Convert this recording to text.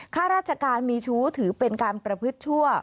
ข้าราชการมีชู้ถือเป็นการประพฤติชั่ว